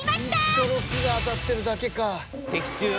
１と６が当たってるだけか。